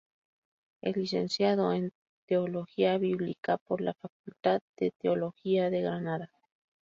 Es licenciado en Teología Bíblica por la Facultad de Teología de Granada.